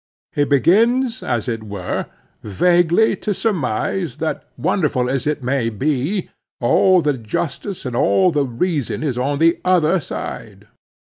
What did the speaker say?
He begins, as it were, vaguely to surmise that, wonderful as it may be, all the justice and all the reason is on the other side.